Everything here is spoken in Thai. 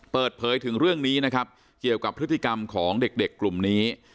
เปิดเผยถึงเรื่องนี้นะครับเกี่ยวกับพฤติกรรมของเด็กกลุ่มนี้